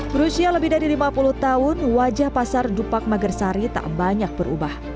berusia lebih dari lima puluh tahun wajah pasar dupak magersari tak banyak berubah